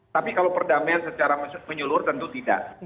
tapi kalau perdamaian secara menyeluruh tentu tidak